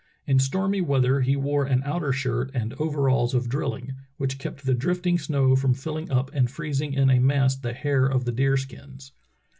In stormy weather he wore an outer shirt and overalls of drilling, which kept the drifting snow from filling up and freezing in a mass the hair of the deerskins.